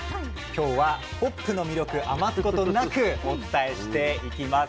今日はホップの魅力余すことなくお伝えしていきます。